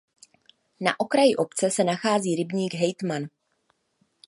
Na okraji obce se nachází rybník Hejtman.